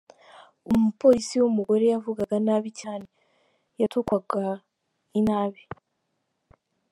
Uwo mupolisi w’umugore yavugaga nabi cyane, yatwukaga inabi.